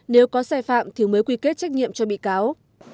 nếu có sai phạm thì mới quy kết trách nhiệm cho bị cáo